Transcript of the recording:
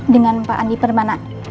dengan pak andi permana